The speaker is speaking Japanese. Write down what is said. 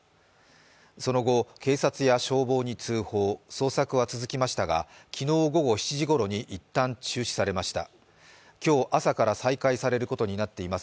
その後、警察や消防に通報捜索は続きましたが昨日午後７時ごろに一旦中止されました。